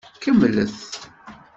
Kemmlet!